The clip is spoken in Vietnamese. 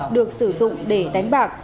được sử dụng để đánh bạc